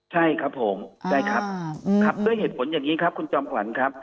ใช่ครับผมใช่ครับครับด้วยเหตุผลอย่างนี้ครับคุณจอมขวัญครับ